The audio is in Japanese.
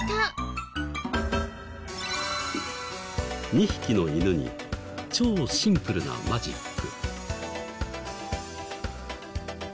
２匹の犬に超シンプルなマジック。